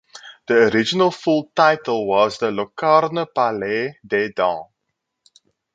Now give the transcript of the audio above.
The original full title was the "Locarno Palais de Dance".